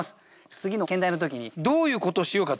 次の兼題の時にどういうことしようかと。